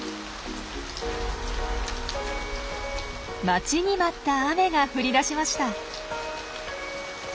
待ちに待った雨が降りだしました。